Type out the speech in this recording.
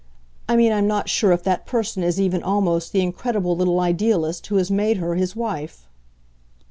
I mean I'm not sure if that person is even almost the incredible little idealist who has made her his wife."